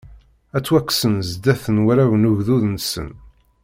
Ad ttwakksen zdat n warraw n ugdud-nsen.